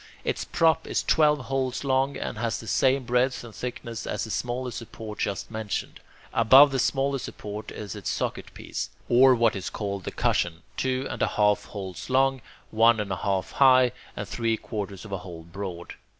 Its prop is twelve holes long, and has the same breadth and thickness as the smaller support just mentioned. Above the smaller support is its socket piece, or what is called the cushion, two and a half holes long, one and a half high, and three quarters of a hole broad.